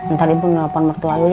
ntar ibu nelfon mertua lu ya